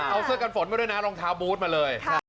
เอาเสื้อกันฝนมาด้วยนะรองเท้าบูธมาเลย